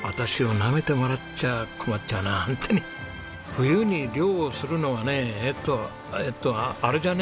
冬に猟をするのはねえっとえっとあれじゃね？